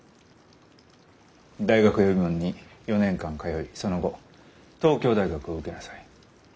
大学予備門に４年間通いその後東京大学を受けなさい。